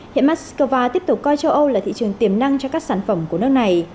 hiện moscow tiếp tục coi châu âu là thị trường tiềm năng cho các sản phẩm của nước này